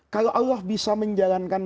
kalau allah bisa menjalankan